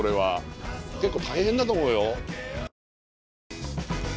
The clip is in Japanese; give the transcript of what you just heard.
結構大変だと思うよ。